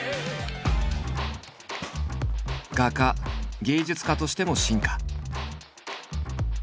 画家芸術家としても進化。